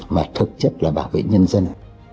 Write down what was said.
mà thực chất là bảo vệ nhân dân